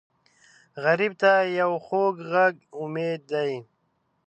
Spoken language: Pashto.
غریب ته یو خوږ غږ امید دی